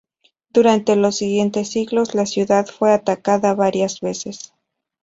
Durante los siguientes siglos la ciudad fue atacada varias veces.